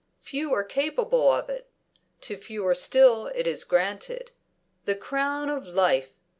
Few are capable of it; to fewer still is it granted. "The crown of life!"